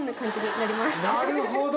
なるほど。